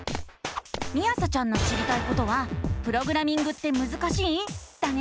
みあさちゃんの知りたいことは「プログラミングってむずかしい⁉」だね！